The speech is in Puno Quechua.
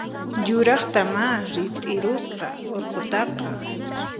Yuraqtamá rit'irusqa urqutaqa!